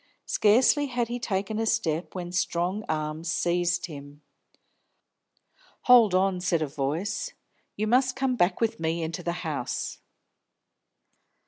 Scarcely had he taken a step, when strong arms seized him. "Hold on!" said a voice. "You must come back with me into the house."